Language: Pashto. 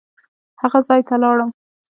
هغه ځای ته لاړم.